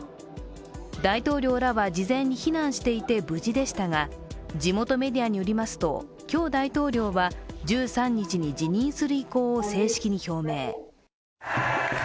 大統領らは事前に避難していて無事でしたが、地元メディアによりますと、今日、大統領は１３日に辞任する意向を正式に表明。